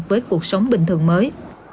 với cuộc sống bình thường mới